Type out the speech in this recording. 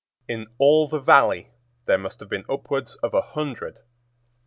In all the Valley there must have been upwards of a hundred.